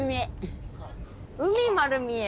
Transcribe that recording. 海丸見え？